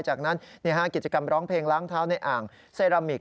จากนั้นกิจกรรมร้องเพลงล้างเท้าในอ่างเซรามิก